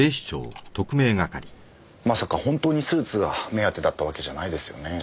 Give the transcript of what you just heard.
まさか本当にスーツが目当てだったわけじゃないですよね？